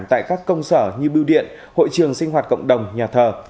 tại các công sở như bưu điện hội trường sinh hoạt cộng đồng nhà thờ